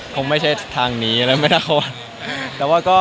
คงไม่ใช่ทางนี้แล้วไม่น่า